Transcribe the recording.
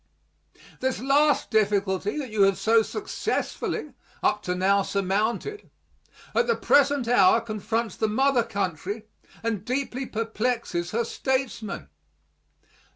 This last difficulty that you have so successfully up to now surmounted, at the present hour confronts the mother country and deeply perplexes her statesmen.